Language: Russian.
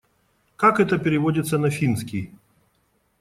Как это переводится на финский?